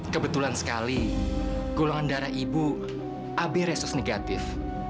kebetulan sekali golongan darah ibu ab reses negatif